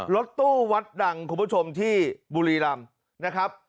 รถตู้วัดดังคุณผู้ชมที่บุรีรำนะครับ